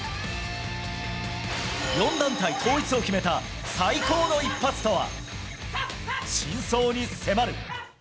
４団体統一を決めた最高の一発とは。